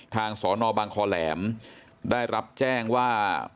สนบางคอแหลมได้รับแจ้งว่า